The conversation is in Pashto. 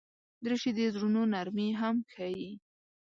دریشي د زړونو نرمي هم ښيي.